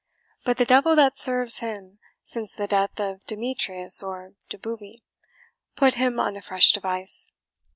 But the devil that serves him, since the death of Demetrius or Doboobie, put him on a fresh device.